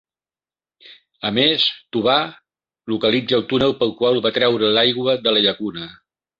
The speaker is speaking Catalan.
A més, Tovar localitza el túnel pel qual van treure l'aigua de la llacuna.